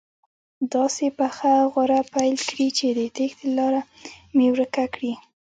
داسې پخه غوره پیل کړي چې د تېښتې لاره مې ورکه کړي.